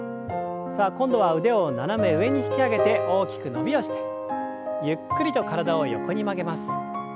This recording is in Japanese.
さあ今度は腕を斜め上に引き上げて大きく伸びをしてゆっくりと体を横に曲げます。